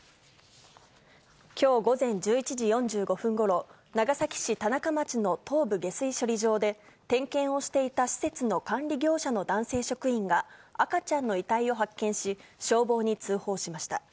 きょう午前１１時４５分ごろ、長崎市田中町の東部下水処理場で、点検をしていた施設の管理業者の男性職員が、赤ちゃんの遺体を発見し、消防に通報しました。